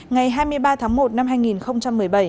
ngày hai mươi ba tháng một năm hai nghìn một mươi bảy